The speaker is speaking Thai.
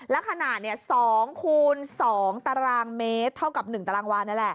แล้วขนาด๒คูณ๒ตารางเมตรเท่ากับ๑ตารางวานนั่นแหละ